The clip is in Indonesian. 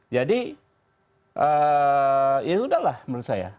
jadi ya udahlah menurut saya